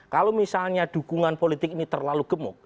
kalau misalnya dukungan politik ini terlalu gemuk